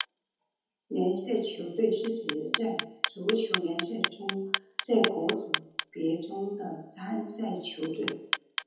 联赛球队是指在足球联赛中在各组别中的参赛球队。